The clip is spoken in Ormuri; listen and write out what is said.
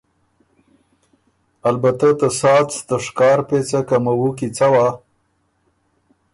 البته ته ساڅ ته شکار پېڅه که موُو کی څوا